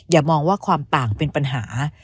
อย่ามองว่าความต่างเป็นปัญหา